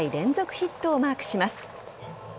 ヒットをマークします。